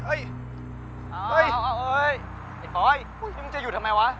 เฮ้ยเอ้ยไอ้ปอยมึงจะหยุดทำไมวะ